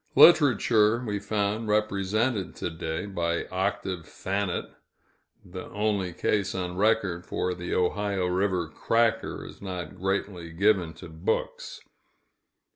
Literature we found represented to day, by "Octave Thanet" the only case on record, for the Ohio River "cracker" is not greatly given to books.